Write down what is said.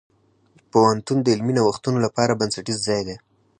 پوهنتون د علمي نوښتونو لپاره بنسټیز ځای دی.